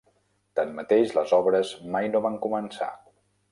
Tanmateix, les obres mai no van començar.